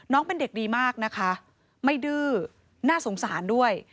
น้องเป็นเด็กดีมากนะคะไม่ดื้อน่าสงสารด้วย